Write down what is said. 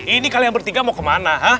ini kalian bertiga mau kemana